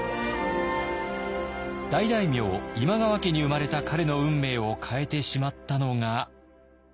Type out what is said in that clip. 大大名今川家に生まれた彼の運命を変えてしまったのが。